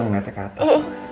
pegang netek ke atas